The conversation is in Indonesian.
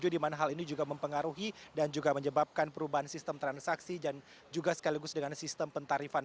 di mana hal ini juga mempengaruhi dan juga menyebabkan perubahan sistem transaksi dan juga sekaligus dengan sistem pentarifan